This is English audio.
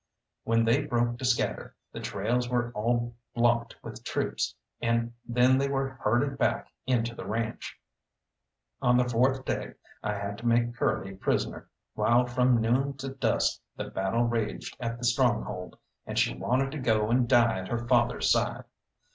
When they broke to scatter, the trails were all blocked with troops, and then they were herded back into the ranche. On the fourth day I had to make Curly prisoner, while from noon to dusk the battle raged at the stronghold, and she wanted to go and die at her father's side.